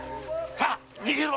さあ逃げろ！